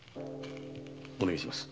お願いします。